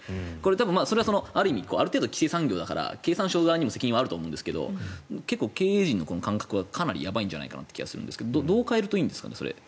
多分ある意味、規制産業だから経産省側にも責任はあると思いますが経営陣の感覚はかなりやばいんじゃないかなという気がするんですけどどう変えるといいんですかね？